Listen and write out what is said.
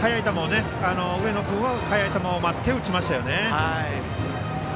上野君は速い球を待って打ちましたよね。